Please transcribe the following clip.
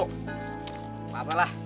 gak apa apa lah